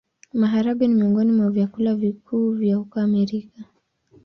Maharagwe ni miongoni mwa vyakula vikuu vya huko Amerika.